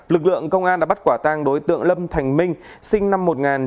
lực lượng công an đã bắt quả tang đối tượng lâm thành minh sinh năm một nghìn chín trăm tám mươi